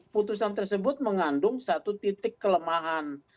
putusan tersebut mengandung satu titik kelemahan